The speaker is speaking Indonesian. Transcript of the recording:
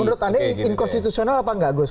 menurut anda inkonstitusional apa nggak gus